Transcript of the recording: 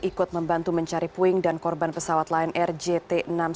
ikut membantu mencari puing dan korban pesawat lion air jt enam ratus sepuluh